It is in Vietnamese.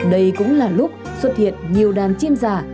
đây cũng là lúc xuất hiện nhiều đàn chim già